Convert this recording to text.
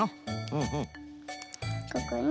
ここに。